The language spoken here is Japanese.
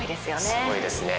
すごいですね。